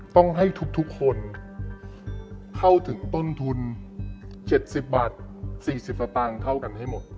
ต้องให้ทุกคนเข้าถึงต้นทุน๗๐บาท๔๐สตางค์เท่ากันให้หมด